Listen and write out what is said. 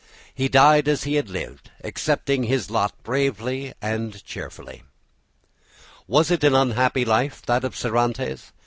He died as he had lived, accepting his lot bravely and cheerfully. Was it an unhappy life, that of Cervantes?